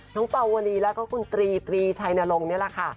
น้องเป๋าวลีและคุณตรีตรีชัยนรงค์นี่แหละค่ะ